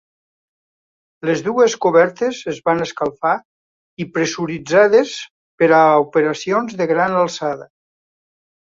Les dues cobertes es van escalfar i pressuritzades per a operacions de gran alçada.